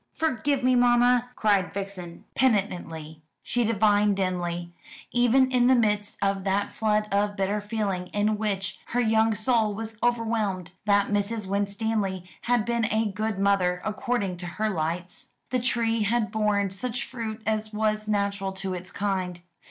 "Forgive me, mamma!" cried Vixen penitently. She divined dimly even in the midst of that flood of bitter feeling in which her young soul was overwhelmed that Mrs. Winstanley had been a good mother, according to her lights. The tree had borne such fruit as was natural to its kind.